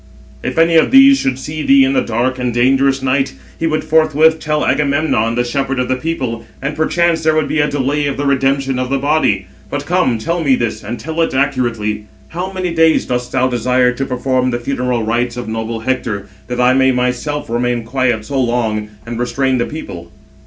If any of these should see thee in the dark and dangerous night, he would forthwith tell Agamemnon, the shepherd of the people, and perchance there would be a delay of the redemption of the body. But come, tell me this, and tell it accurately: How many days dost thou desire to perform the funeral rites of noble Hector, that I may myself remain quiet so long, and restrain the people?"